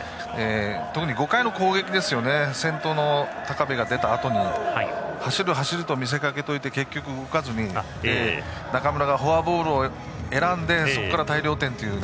特に５回の攻撃で先頭の高部が出たあとに走る、走ると見せかけておいて結局動かずに中村がフォアボールを選んでそこから大量点。